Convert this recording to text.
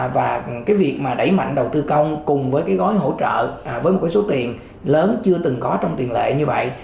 và cái việc mà đẩy mạnh đầu tư công cùng với cái gói hỗ trợ với một cái số tiền lớn chưa từng có trong tiền lệ như vậy